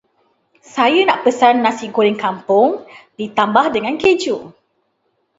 Saya nak pesan Nasi goreng kampung ditambah dengan keju.